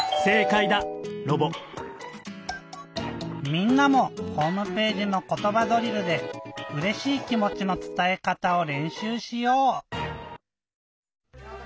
みんなもホームページの「ことばドリル」でうれしい気もちのつたえかたをれんしゅうしよう。